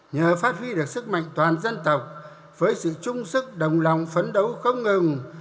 nhờ phát huy được sức mạnh toàn dân tộc với sự trung sức đồng lòng phấn đấu không ngừng